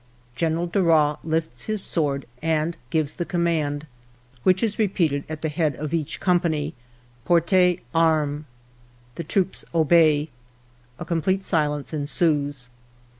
General Darras lifts his sword and gives the command, which is repeated at the head of each com pany :' Portez armes !*" The troops obey. " A complete silence ensues.